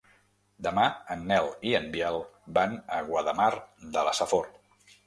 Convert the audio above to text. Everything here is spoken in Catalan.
Demà en Nel i en Biel van a Guardamar de la Safor.